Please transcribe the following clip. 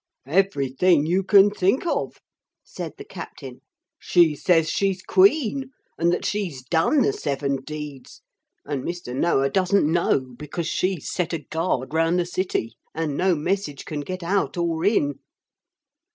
'Everything you can think of,' said the captain; 'she says she's Queen, and that she's done the seven deeds. And Mr. Noah doesn't know, because she's set a guard round the city, and no message can get out or in.'